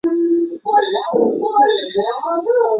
斯里兰卡共有两名游泳运动员参加奥运。